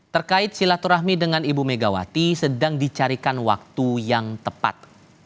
terkait silaturahmi dengan ibu megawati sedang dicarikan waktu yang tepat